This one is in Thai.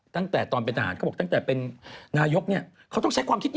ตั้งแต่ตอนเป็นทหารเขาบอกตั้งแต่เป็นนายกเนี่ยเขาต้องใช้ความคิด